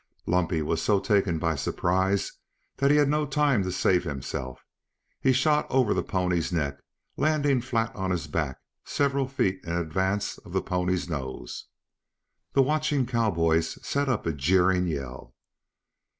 Lumpy was so taken by surprise that he had no time to save himself. He shot over the pony's neck, landing flat on his back several feet in advance of the pony's nose. The watching cowboys set up a jeering yell.